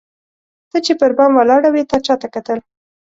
ته چي پر بام ولاړه وې تا چاته کتل؟